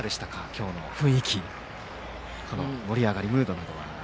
今日の雰囲気盛り上がり、ムードなどは。